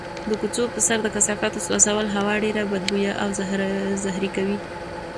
د کوڅو په سر د کثافاتو سوځول هوا ډېره بدبویه او زهري کوي.